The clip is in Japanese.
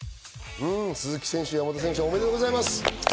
うん、鈴木選手、山田選手、おめでとうございます。